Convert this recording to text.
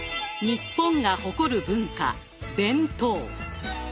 日本が誇る文化弁当。